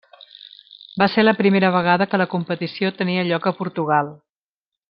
Va ser la primera vegada que la competició tenia lloc a Portugal.